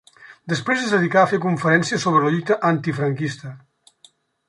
Després es dedicà a fer conferències sobre la lluita antifranquista.